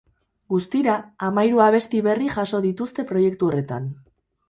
Guztira, hamairu abesti berri jaso dituzte proiektu horretan.